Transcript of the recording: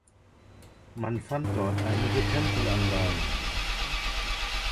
Man fand dort einige Tempelanlagen.